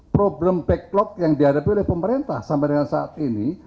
problem backlog yang dihadapi oleh pemerintah sampai dengan saat ini